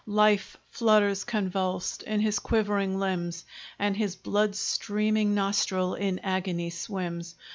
Life flutters convulsed in his quivering limbs, And his blood streaming nostril in agony swims.